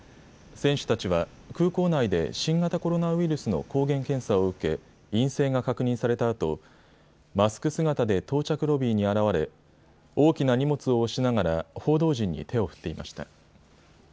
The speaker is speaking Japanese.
選手たちは空港内で新型コロナウイルスの抗原検査を受け陰性が確認されたあとマスク姿で到着ロビーに現れ、大きな荷物を押しながら報道陣に手を振っていました。